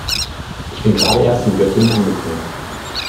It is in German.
Ich bin gerade erst in Göttingen angekommen